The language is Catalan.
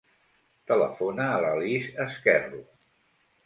Telefona a la Lis Ezquerro.